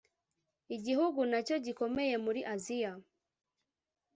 igihugu nacyo gikomeye muri Aziya